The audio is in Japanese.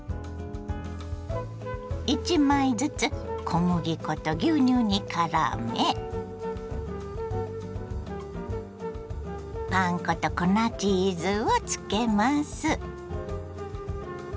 １枚ずつ小麦粉と牛乳にからめパン粉と粉チーズをつけます。